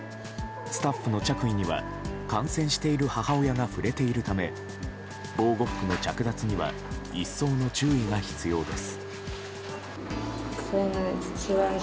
スタッフの着衣には感染している母親が触れているため防護服の着脱には一層の注意が必要です。